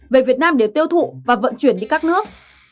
về việt nam để tiêu thụ và vận chuyển đi các nước